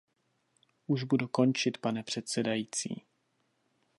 Už budu končit, pane předsedající.